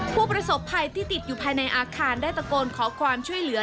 ผู้ประสบภัยที่ติดอยู่ภายในอาคารได้ตะโกนขอความช่วยเหลือ